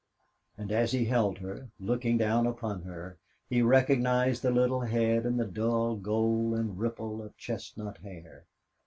And as he held her, looking down upon her, he recognized the little head and the dull gold and ripple of chestnut hair.